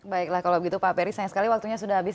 baiklah kalau begitu pak peri sayang sekali waktunya sudah habis